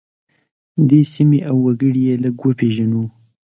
دې سیمې او وګړي یې لږ وپیژنو.